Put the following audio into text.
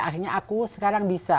akhirnya aku sekarang bisa